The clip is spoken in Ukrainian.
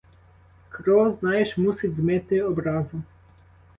Кров, знаєш, мусить змити образу.